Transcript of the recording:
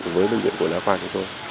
và với bệnh viện của lá khoa chúng tôi